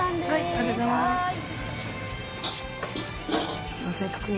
ありがとうございます。